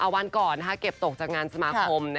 วันก่อนเก็บตกจากงานสมาคม